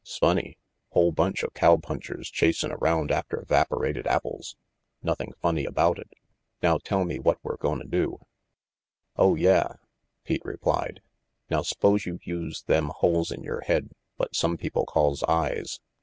f 'Sfunny. Whole bunch of cowpunchers chasin' around after 'vaporated apples." "Nothing funny about it. Now tell me what we're gonna do." "Oh, yah," Pete replied. "Now, 'spose you use them holes in yer head what some people calls eyes.